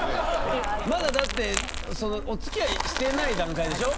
まだだってそのおつきあいしてない段階でしょ？